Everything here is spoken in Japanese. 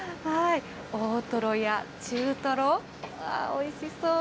大トロや中トロ、おいしそう。